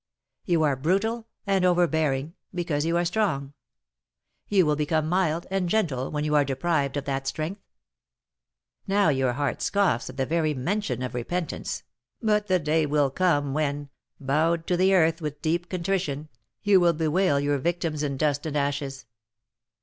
You are brutal and overbearing, because you are strong; you will become mild and gentle when you are deprived of that strength. Now your heart scoffs at the very mention of repentance, but the day will come when, bowed to the earth with deep contrition, you will bewail your victims in dust and ashes.